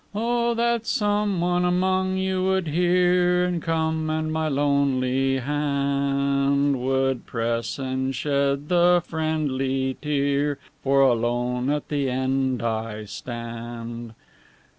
O that someone among you would hear, And come, and my lonely hand Would press, and shed the friendly tear For alone at the end I stand.